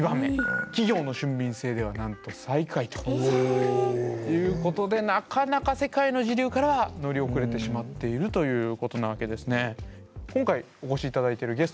「企業の俊敏性」ではなんと最下位ということでなかなか世界の時流からは乗り遅れてしまっているということなわけですね。